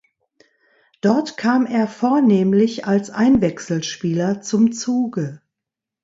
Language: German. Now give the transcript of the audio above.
Dort kam er vornehmlich als Einwechselspieler zum Zuge.